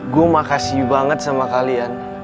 gue makasih banget sama kalian